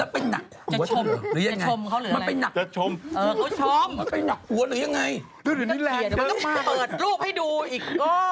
เปิดรูปให้ดูอีกก็